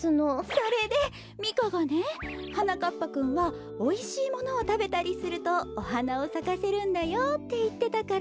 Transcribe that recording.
それでミカがね「はなかっぱくんはおいしいものをたべたりするとおはなをさかせるんだよ」っていってたから。